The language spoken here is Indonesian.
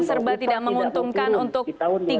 perubahan tidak beruntung di tahun dua ribu dua puluh satu